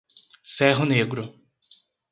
Cerro Negro